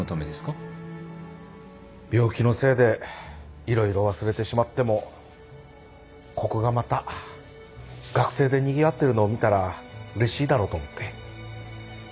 病気のせいで色々忘れてしまってもここがまた学生でにぎわってるのを見たらうれしいだろうと思って。